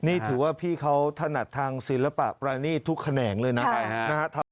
นี่ถือว่าพี่เขาถนัดทางศิลปะปรานีตทุกแขนงเลยนะ